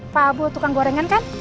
pak abu tukang gorengan kan